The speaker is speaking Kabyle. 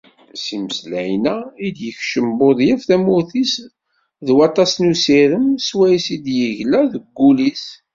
S yimeslayen-a i d-yekcem Buḍyaf tamurt-is d waṭas n usirem swayes i d-yegla deg wul-is.